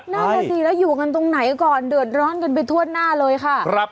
นั่นแหละสิแล้วอยู่กันตรงไหนก่อนเดือดร้อนกันไปทั่วหน้าเลยค่ะ